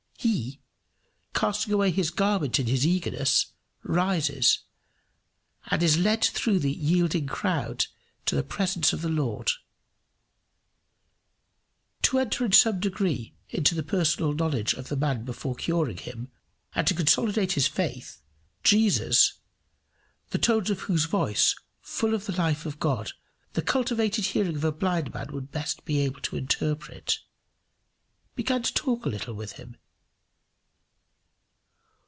He, casting away his garment in his eagerness, rises, and is led through the yielding crowd to the presence of the Lord. To enter in some degree into the personal knowledge of the man before curing him, and to consolidate his faith, Jesus, the tones of whose voice, full of the life of God, the cultivated hearing of a blind man would be best able to interpret, began to talk a little with him.